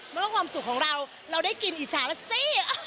เมื่อความสุขของเราเราได้กินอิจฉาแล้วสิ